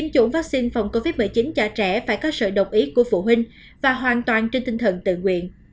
chính trả trẻ phải có sự đồng ý của phụ huynh và hoàn toàn trên tinh thần tự nguyện